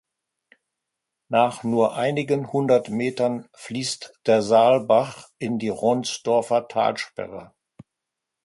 Nach nur einigen hundert Metern fließt der Saalbach in die Ronsdorfer Talsperre.